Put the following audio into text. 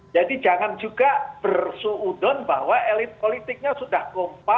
jadi jangan juga bersuudon bahwa elit politiknya sudah kompak